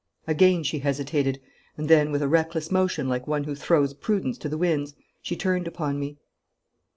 Again she hesitated, and then, with a reckless motion like one who throws prudence to the winds, she turned upon me.